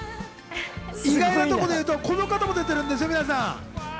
意外なところで言うと、この方も出てるんですよ、皆さん。